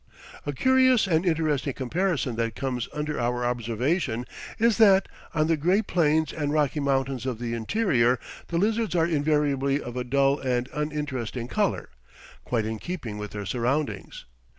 A curious and interesting comparison that comes under our observation is that, on the gray plains and rocky mountains of the interior the lizards are invariably of a dull and uninteresting color, quite in keeping with their surroundings.